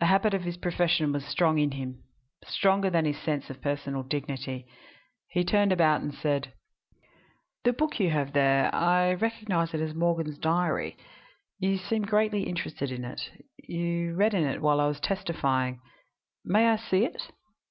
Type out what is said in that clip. The habit of his profession was strong in him stronger than his sense of personal dignity. He turned about and said: "The book that you have there I recognize it as Morgan's diary. You seemed greatly interested in it; you read in it while I was testifying. May I see it?